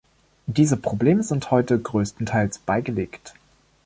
Diese Probleme sind heute größtenteils beigelegt.